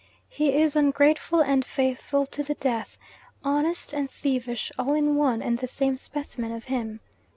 He is ungrateful and faithful to the death, honest and thievish, all in one and the same specimen of him.